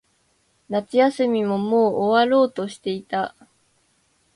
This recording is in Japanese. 夏休みももう終わろうとしていた。